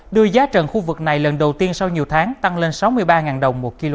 đưa giá trần khu vực này lần đầu tiên sau nhiều tháng tăng lên sáu mươi ba đồng một kg